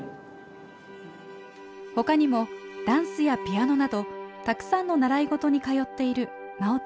ほかにもダンスやピアノなどたくさんの習い事に通っているまおちゃん。